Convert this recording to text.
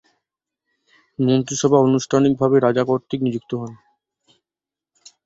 মন্ত্রীসভা আনুষ্ঠানিকভাবে রাজা কর্তৃক নিযুক্ত হন।